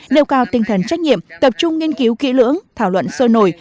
nêu cao tinh thần trách nhiệm tập trung nghiên cứu kỹ lưỡng thảo luận sôi nổi